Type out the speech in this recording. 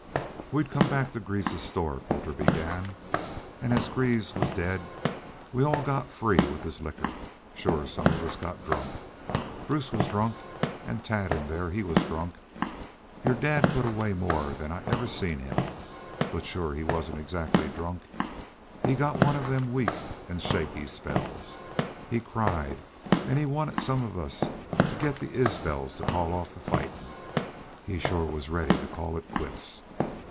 "We'd come back to Greaves's store," Colter began. "An' as Greaves was daid we all got free with his liquor. Shore some of us got drunk. Bruce was drunk, an' Tad in there he was drunk. Your dad put away more 'n I ever seen him. But shore he wasn't exactly drunk. He got one of them weak an' shaky spells. He cried an' he wanted some of us to get the Isbels to call off the fightin'.... He shore was ready to call it quits.